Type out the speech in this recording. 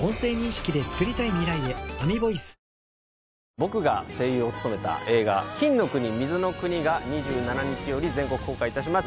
僕が声優を務めた映画「金の国水の国」が２７日より全国公開いたします